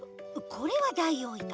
これはダイオウイカ。